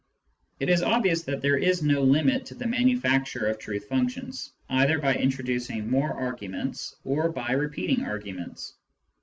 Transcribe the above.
It is obvious that there is no limit to the manufacture of truth functions, either by introducing more arguments or by repeating arguments.